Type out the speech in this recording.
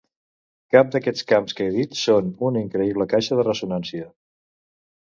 Cap d'aquests camps que he dit són una increïble caixa de ressonància.